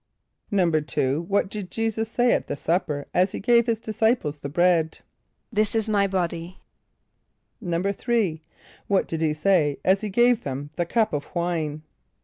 = =2.= What did J[=e]´[s+]us say at the supper as he gave his disciples the bread? ="This is my body."= =3.= What did he say as he gave them the cup of wine?